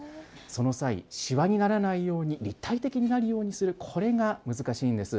その際、しわにならないように、立体的になるようにする、これが難しいんです。